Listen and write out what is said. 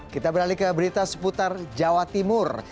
kita beralih ke berita seputar jawa timur